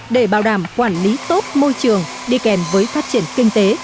để bảo đảm quản lý tốt môi trường đi kèm với phát triển kinh tế